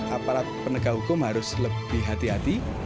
aparat penegak hukum harus lebih hati hati